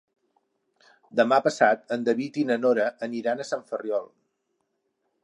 Demà passat en David i na Nora aniran a Sant Ferriol.